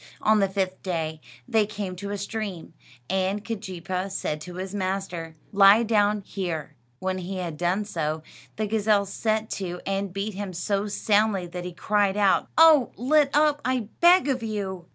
On the fifth day they came to a stream, and Keejeepaa said to his master, "Lie down here." When he had done so, the gazelle set to and beat him so soundly that he cried out: "Oh, let up, I beg of you!"